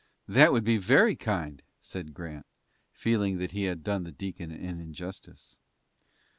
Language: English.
"That would be very kind," said Grant, feeling that he had done the deacon an injustice.